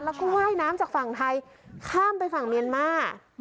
แล้วก็ว่ายน้ำจากฝั่งไทยข้ามไปฝั่งเมียนมาร์